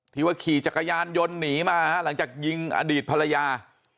ว่าขี่จักรยานยนต์หนีมาหลังจากยิงอดีตภรรยา